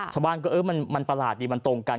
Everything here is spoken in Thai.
ชาวบ้านก็เออมันประหลาดดีมันตรงกัน